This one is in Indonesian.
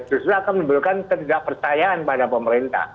justru akan menimbulkan ketidakpercayaan pada pemerintah